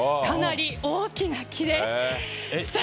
かなり大きな木です。